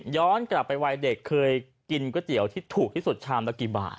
กลับไปวัยเด็กเคยกินก๋วยเตี๋ยวที่ถูกที่สุดชามละกี่บาท